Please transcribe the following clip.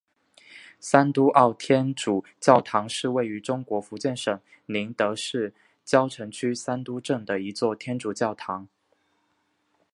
三都澳天主教堂是位于中国福建省宁德市蕉城区三都镇的一座天主教堂。